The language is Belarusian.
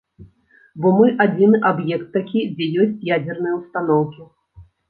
Бо мы адзіны аб'ект такі, дзе ёсць ядзерныя ўстаноўкі.